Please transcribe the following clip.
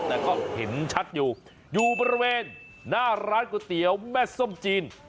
แต่ก็เห็นชัดอยู่อยู่บริเวณหน้าร้านก๋วยเตี๋ยวแม่ส้มจีน